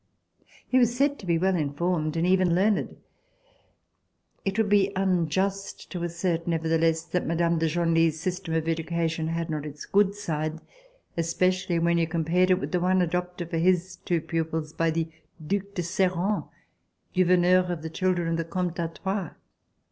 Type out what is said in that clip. He was said to be well informed and even learned. It would be unjust to assert, nevertheless, that Mme. de Genlis' system FALL OF THE BASTILLE of education liad not its good side, especially when you compared it with the one adopted for his two pupils by the Due de Serent, gouverneur of the chil dren of the Comte d'Artois.